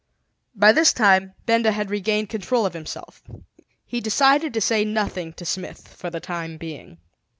By this time Benda had regained control of himself. He decided to say nothing to Smith for the time being.